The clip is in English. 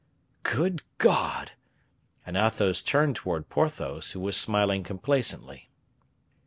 "Good God!" And Athos turned towards Porthos, who was smiling complacently.